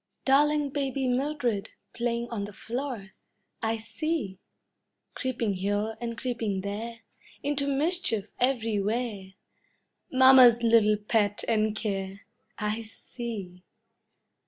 Darling baby Mildred, playing on the floor I see! Creeping here and creeping there, Into mischief everywhere, Mamma's little pet and care I see!